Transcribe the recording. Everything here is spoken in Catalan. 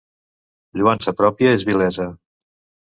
Lloança pròpia és vilesa.